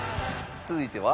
続いては。